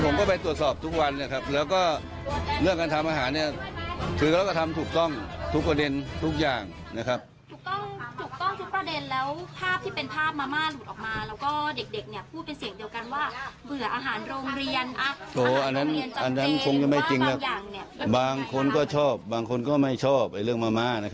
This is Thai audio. มันตรงกับวันไหว้เจ้า